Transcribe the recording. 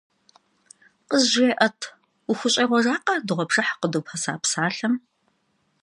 КъызжеӀэт, ухущӀегъуэжакъэ дыгъуэпшыхь къыдупэса псалъэм?